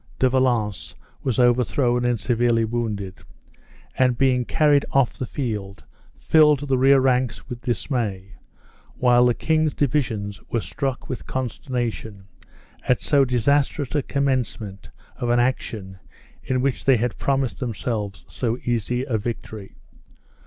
De Valence was overthrown and severely wounded, and being carried off the field, filled the rear ranks with dismay; while the king's division was struck with consternation at so disastrous a commencement of an action in which they had promised themselves so easy a victory.